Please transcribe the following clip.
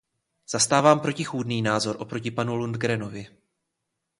Zastávám protichůdný názor oproti panu Lundgrenovi.